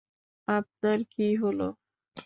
আপনার কী হলো?